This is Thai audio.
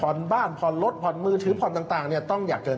ผ่อนบ้านผ่อนรถผ่อนมือถือผ่อนต่างต้องอยากเกิน๘๐๐๐